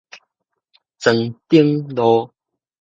莊頂路